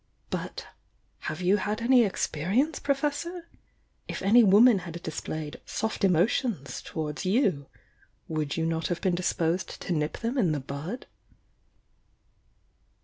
But have you had any experience. Professor? If any woman had displayed 'soft emotions' towards you, would you not have been disposed to nip them in the bud?"